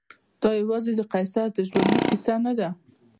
دا یوازې د قیصر د ژوندلیک کیسه نه ده.